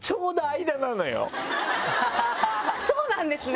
そうなんですね！